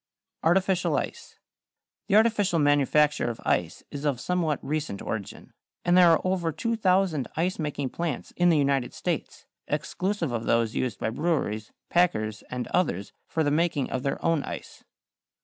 =Artificial Ice.= The artificial manufacture of ice is of somewhat recent origin, and there are over 2,000 ice making plants in the United States, exclusive of those used by breweries, packers, and others for the making of their own ice.